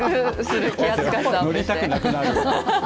乗りたくなくなる。